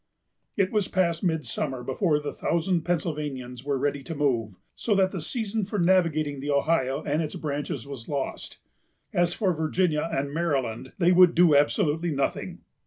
It was past midsummer before the thousand Pennsylvanians were ready to move; so that the season for navigating the Ohio and its branches was lost. As for Virginia and Maryland, they would do absolutely nothing.